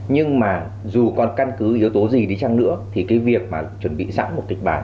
nhưng mà dù còn căn cứ yếu tố gì đi chăng nữa thì cái việc mà chuẩn bị sẵn một kịch bản